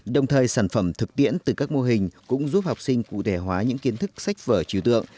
đồng thời sản phẩm thực tiễn từ các mô hình cũng giúp học sinh cụ thể hóa những kiến thức sách vở trừ tượng